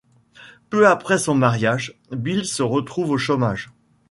Peu après son mariage, Bill se retrouve au chômage.